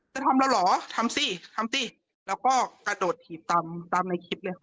จะทำเราเหรอทำสิทำสิแล้วก็กระโดดถีบตามตามในคลิปเลยค่ะ